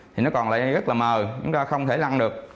thì nó còn lại rất là mờ chúng ta không thể lăn được